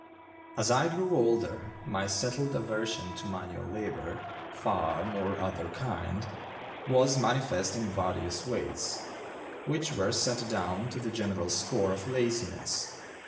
As I grew older, my settled aversion to manual labor, farm or other kind, was manifest in various ways, which were set down to the general score of laziness.